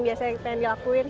biasanya pengen dilakuin